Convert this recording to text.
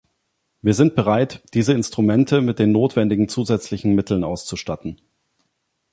Wir sind bereit, diese Instrumente mit den notwendigen zusätzlichen Mitteln auszustatten.